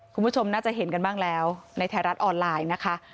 คุณผู้ชมน่าจะเห็นกันบ้างแล้วในไทยรัฐออนไลน์นะคะ